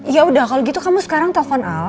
yaudah kalau gitu kamu sekarang telepon al